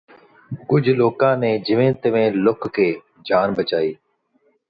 ਕੁਝ ਲੋਕਾਂ ਨੇ ਜਿਵੇਂ ਤਿਵੇਂ ਲੁਕ ਕੇ ਜਾਨ ਬਚਾਈ